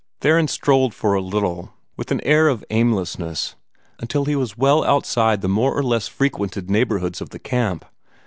Theron strolled for a little, with an air of aimlessness, until he was well outside the more or less frequented neighborhood of the camp.